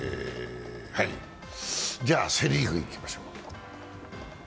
セ・リーグいきましょう。